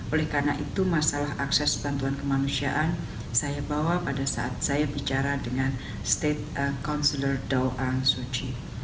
oleh karena itu masalah akses bantuan kemanusiaan saya bawa pada saat saya bicara dengan state councilor doang suci